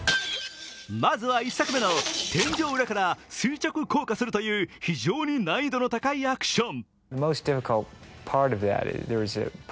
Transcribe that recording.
まずは１作目の天井裏から垂直降下するという非常に難易度の高いアクション。